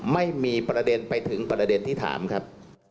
ไม่มีประเด็นไปถึงประเด็นที่ถามครับ